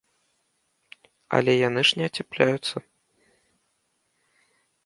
Але яны ж не ацяпляюцца.